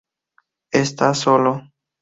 Está solo.